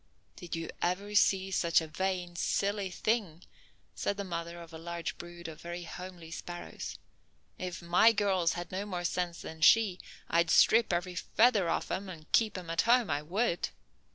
"Did you ever see such a vain, silly thing?" said the mother of a large brood of very homely sparrows. "If my girls had no more sense than she, I'd strip every feather off 'em and keep 'em at home, I would!"